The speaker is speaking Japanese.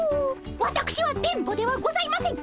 わたくしは電ボではございません。